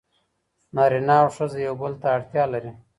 نارینه او ښځه یو بل ته اړتیا لري.